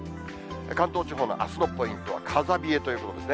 関東地方のあすのポイントは、風冷えということですね。